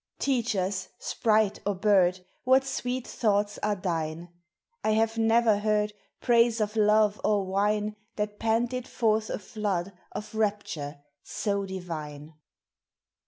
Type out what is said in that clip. Teach us, sprite or bird, What sweet thoughts are thine; I have never heard Praise of love or wine That panted forth a flood of rapture so divine.